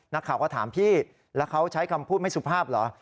นักข่าวก็ถามพี่แล้วเขาใช้คำพูดไม่สุภาพเหรอ